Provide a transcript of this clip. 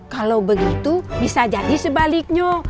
kalau begitu bisa jadi sebaliknya